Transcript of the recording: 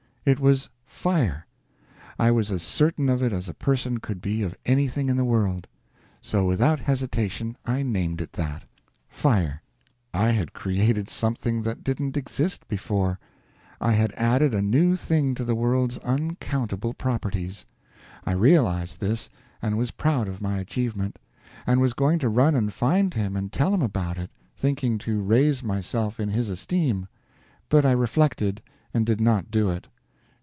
It was fire! I was as certain of it as a person could be of anything in the world. So without hesitation I named it that fire. I had created something that didn't exist before; I had added a new thing to the world's uncountable properties; I realized this, and was proud of my achievement, and was going to run and find him and tell him about it, thinking to raise myself in his esteem but I reflected, and did not do it.